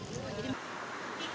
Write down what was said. jadi kita bisa lihat